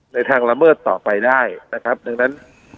ทางละเมิดต่อไปได้นะครับดังนั้น